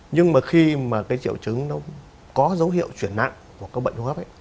nhưng mà khi mà cái triệu chứng nó có dấu hiệu chuyển nặng của các bệnh hô hấp ấy